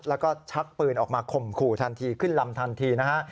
แล้วก็ชักปืนออกมาข่มขู่ทันทีขึ้นลำทันทีนะฮะ